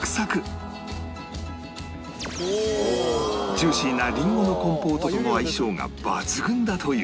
ジューシーなりんごのコンポートとの相性が抜群だという